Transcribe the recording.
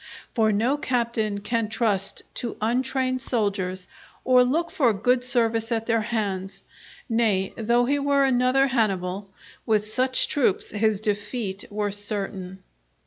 For no captain can trust to untrained soldiers or look for good service at their hands; nay, though he were another Hannibal, with such troops his defeat were certain.